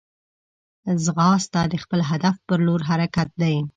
ځغاسته د خپل هدف پر لور حرکت دی